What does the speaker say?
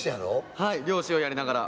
はい漁師をやりながら。